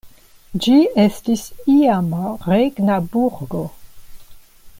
Ĝi estis iama regna burgo.